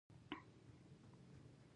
افغانستان یوه مقدسه خاوره ده